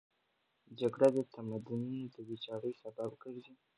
جګړه د تمدنونو د ویجاړۍ سبب ګرځي.